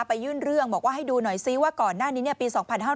ยื่นเรื่องบอกว่าให้ดูหน่อยซิว่าก่อนหน้านี้ปี๒๕๕๙